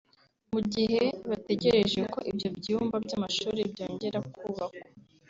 Mu gihe bategereje ko ibyo byumba by’amashuri byongera kubakwa